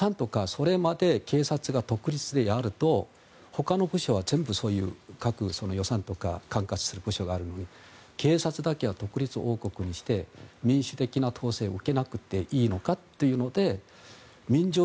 それまで警察が独立でやると他の部署は全部、各予算とかを管轄する部署があるのに警察だけは独立王国にして民主的な統制を受けなくていいのかというので民情